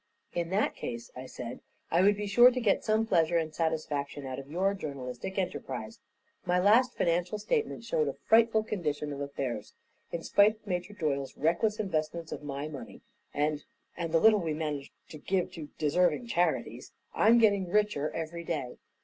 "In that case, I said, I would be sure to get some pleasure and satisfaction out of your journalistic enterprise. My last financial statement showed a frightful condition of affairs. In spite of Major Doyle's reckless investments of my money, and and the little we manage to give to deserving charities, I'm getting richer every day.